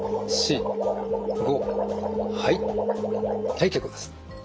はい結構です。